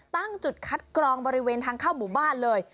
ตั้งจุดคัดกรองบริเวณทางเข้าหมู่บ้านเลย